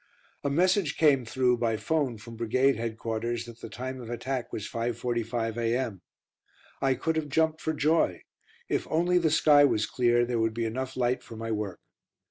A message came through by 'phone from Brigade headquarters that the time of attack was 5.45 a.m. I could have jumped for joy; if only the sky was clear, there would be enough light for my work.